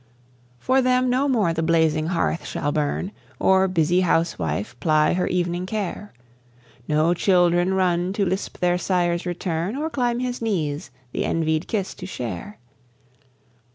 For them no more the blazing hearth shall burn, Or busy housewife ply her evening care: No children run to lisp their sire's return, Or climb his knees the envied kiss to share.